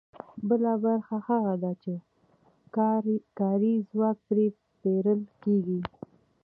بله برخه هغه ده چې کاري ځواک پرې پېرل کېږي